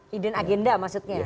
hidden agenda maksudnya